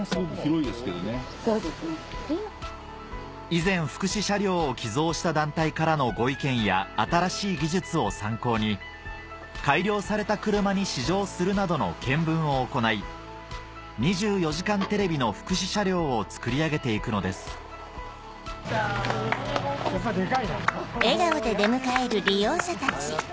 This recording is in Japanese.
以前福祉車両を寄贈した団体からのご意見や新しい技術を参考に改良された車に試乗するなどの検分を行い『２４時間テレビ』の福祉車両を作り上げて行くのです・来た・・やっぱデカいな・